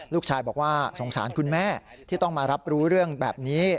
ลูกชายบอกว่าสงสารคุณแม่ที่ต้องมารับรู้เรื่องแบบนี้